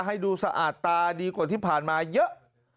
ให้ดูสะอาดตาดีกว่าที่ผ่านมาเยอะ